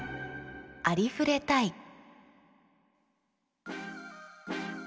「ありふれたい」。